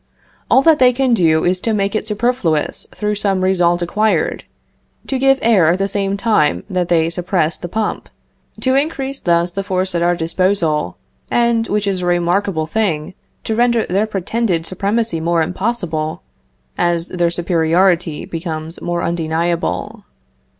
All that they can do is to make it superfluous through some result acquired to give air at the same time that they suppress the pump; to increase thus the force at our disposal, and, which is a remarkable thing, to render their pretended supremacy more impossible, as their superiority becomes more undeniable.